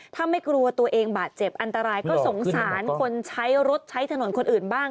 ถ้าไม่กลัวตัวเองบาดเจ็บอันตรายก็สงสารคนใช้รถใช้ถนนคนอื่นบ้าง